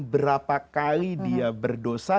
berapa kali dia berdosa